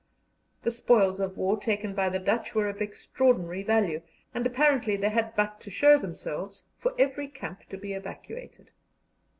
The spoils of war taken by the Dutch were of extraordinary value, and apparently they had but to show themselves for every camp to be evacuated.